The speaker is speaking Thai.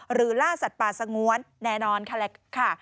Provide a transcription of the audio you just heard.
หรือล่าสัตว์ป่าสงวนแน่นอนค่ะแหละค่ะ